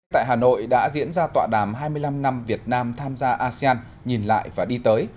tại hà nội đã diễn ra tọa đàm hai mươi năm năm việt nam tham gia asean nhìn lại và đi tới